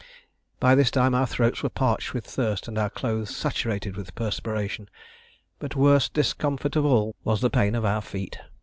By this time our throats were parched with thirst and our clothes saturated with perspiration; but worst discomfort of all was the pain of our feet.